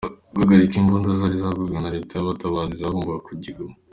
Guhagarika Imbunda zari zaraguzwe na Leta y’abatabazi zagombaga kujya i Goma